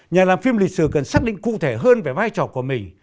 nhà làm phim lịch sử cần xác định cụ thể hơn về vai trò của mình